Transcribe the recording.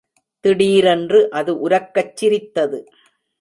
திடீரென்று அது உரக்கச் சிரித்தது.